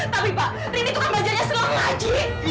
tapi pak rini itu kan belajarnya selalu mengaji